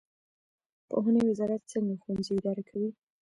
پوهنې وزارت څنګه ښوونځي اداره کوي؟